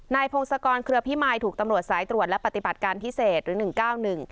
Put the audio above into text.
นายพงศกรเครือพิมายถูกตำรวจสายตรวจและปฏิบัติการพิเศษหรือ๑๙๑